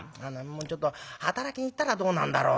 ちょっと働きに行ったらどうなんだろうね。